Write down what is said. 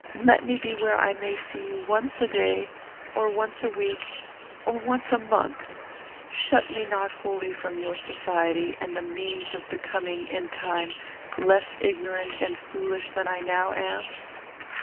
Let me be where I may see you once a day, or once a week, or once a month. Shut me not wholly from your society, and the means of becoming, in time, less ignorant and foolish than I now am."